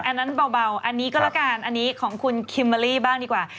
อันนั้นเบาอันนี้ก็แล้วกันอันนี้ของคุณคิมเบอร์รี่บ้างดีกว่า